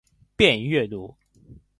便于阅读